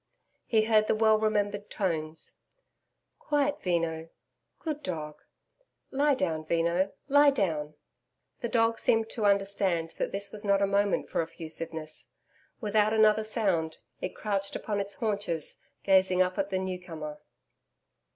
He heard the well remembered tones: 'Quiet Veno.... Good dog.... Lie down Veno Lie down.' The dog seemed to understand that this was not a moment for effusiveness. Without another sound, it crouched upon its haunches gazing up at the new comer.